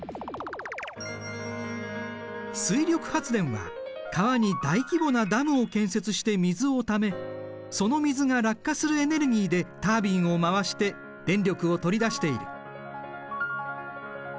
水力発電は川に大規模なダムを建設して水をためその水が落下するエネルギーでタービンを回して電力を取り出している。